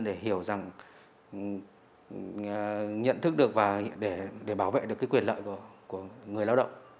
để hiểu rằng nhận thức được và để bảo vệ được cái quyền lợi của người lao động